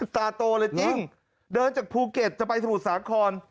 ตาโตเลยจริงเดินจากภูเก็ตจะไปสมุทรสาคร